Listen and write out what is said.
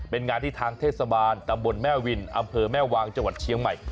เป็นงานที่ทางเทศบาลตำบลแม่วินอำเภอแม่วางจังหวัดเชียงใหม่